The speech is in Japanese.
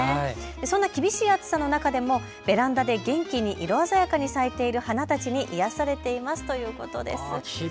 そんな厳しい暑さの中でもベランダで元気に色鮮やかに咲いている花たちに癒やされていますということです。